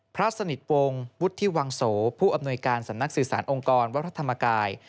พระสนิทวงศ์วุฒิวังโสผู้อำนวยการสำนักสื่อสารองค์กรวัดพระธรรมกาย